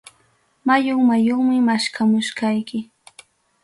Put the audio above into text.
Mayun mayunmi maskamuchkayki.